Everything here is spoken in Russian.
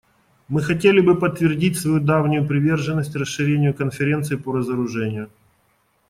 Мы хотели бы подтвердить свою давнюю приверженность расширению Конференции по разоружению.